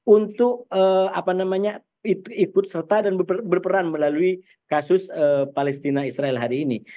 untuk ikut serta dan berperan melalui kasus palestina israel hari ini